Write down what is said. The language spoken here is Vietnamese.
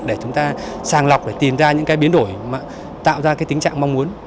để chúng ta sàng lọc để tìm ra những biến đổi tạo ra tính trạng mong muốn